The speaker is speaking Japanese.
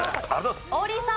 王林さん。